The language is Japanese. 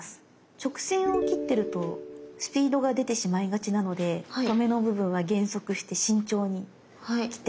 直線を切ってるとスピードが出てしまいがちなので止めの部分は減速して慎重に切って下さい。